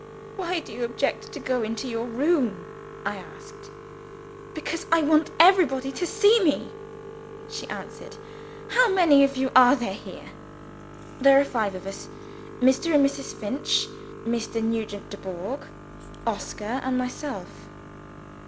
"Why do you object to go into your room?" I asked. "Because I want everybody to see me," she answered. "How many of you are there here?" "There are five of us. Mr. and Mrs. Finch; Mr. Nugent Dubourg; Oscar, and myself."